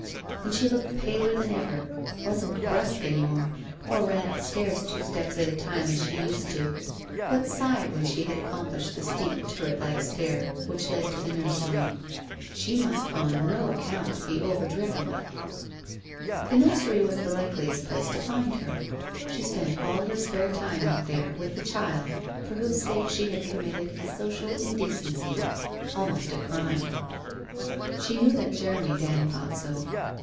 And she looked paler than ever, wasn't brusque any more, or ran upstairs two steps at a time as she used to do, but sighed when she had accomplished the steep turret like stair which led to the nursery. She must on no account be overdriven. WHITE ROSE OP WEARY LEAF 319 The nursery was the likeliest place to find her. She spent all her spare time up there, with the child for whose sake she had committed a social indecency, almost a crime. She knew that Jeremy Dand thought so.